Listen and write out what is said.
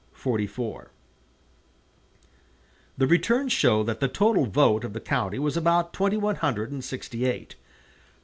44 The returns show that the total vote of the county was about twenty one hundred and sixty eight.